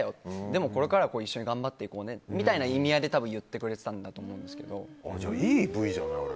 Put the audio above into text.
でも、これからは一緒に頑張っていこうねみたいな意味合いで言ってくれてたんだと思うんですけど。